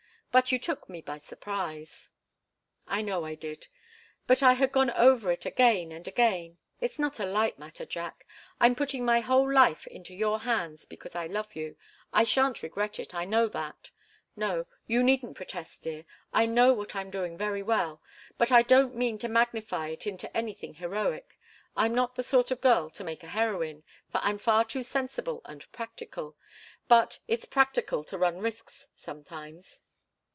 But you took me by surprise." "I know I did. But I had gone over it again and again. It's not a light matter, Jack. I'm putting my whole life into your hands because I love you. I shan't regret it I know that. No you needn't protest, dear. I know what I'm doing very well, but I don't mean to magnify it into anything heroic. I'm not the sort of girl to make a heroine, for I'm far too sensible and practical. But it's practical to run risks sometimes."